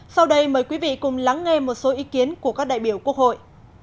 sau đây mời quý vị cùng lắng nghe một số ý kiến của các đại biểu quốc hội